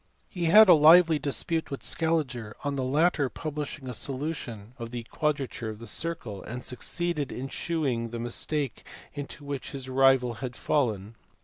He had a lively dispute with Scaliger, on the latter publishing a solution of the quadrature of the circle, and succeeded in shewing the mistake into which his rival had fallen.